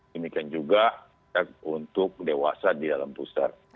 demikian juga untuk dewasa di dalam booster